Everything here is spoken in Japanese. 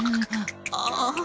ああ。